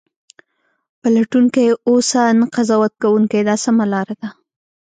پلټونکی اوسه نه قضاوت کوونکی دا سمه لار ده.